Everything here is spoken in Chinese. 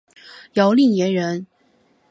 姚令言人。